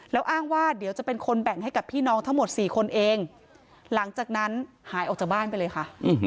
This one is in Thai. แล้วอ้างว่าเดี๋ยวจะเป็นคนแบ่งให้กับพี่น้องทั้งหมดสี่คนเองหลังจากนั้นหายออกจากบ้านไปเลยค่ะ